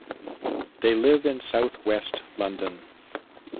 They live in south west London.